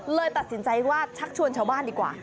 เลยตัดสินใจว่าชักชวนชาวบ้านดีกว่า